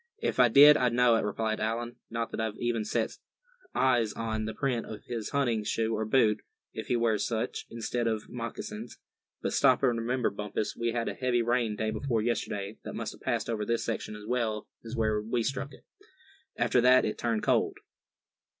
"If I did, I'd know it," replied Allan; "not that I've even set eyes on the print of his hunting shoe or boot, if he wears such, instead of moccasins; but stop and remember, Bumpus we had a heavy rain day before yesterday that must have passed over this section as well as where we struck it. After that it turned cold."